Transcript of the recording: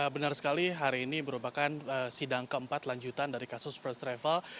benar sekali hari ini merupakan sidang keempat lanjutan dari kasus first travel